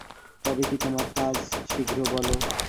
তবে কী তোমার কাজ, শীঘ্র বলো।